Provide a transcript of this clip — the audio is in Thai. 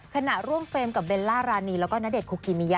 ขณะร่วมเฟรมกับเบลล่ารานีแล้วก็ณเดชคุกิมิยะ